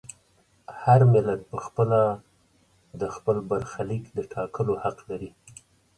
هر ملت په خپله د خپل برخلیک د ټاکلو حق لري.